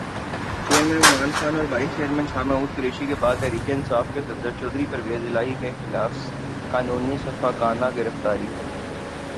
chairman Imran Khan اور vice chairman Shah Mahmood Qureshi کے بعد تحریک انصاف کے صدر چودھری پرویزالہٰی کی خلافِ قانون سفّاکانہ گرفتاری